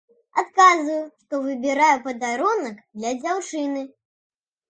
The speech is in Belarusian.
Адказваю, што выбіраю падарунак для дзяўчыны.